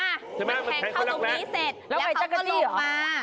นี่เห็นว่ามันแทงเขาตรงนี้เสร็จแล้วเขาก็ลงมา